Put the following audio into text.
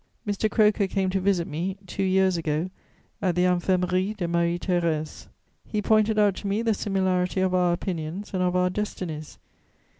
Mr. Croker came to visit me, two years ago, at the Infirmerie de Marie Thérèse. He pointed out to me the similarity of our opinions and of our destinies.